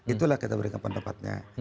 itulah kita berikan pendapatnya